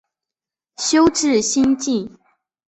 修智心净。